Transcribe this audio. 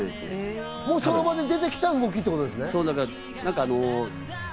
その場で出てきた動きってことですね。